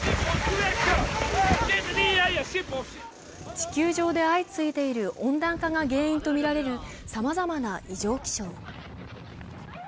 地球上で相次いでいる温暖化が原因とみられるさまざまな異常気象。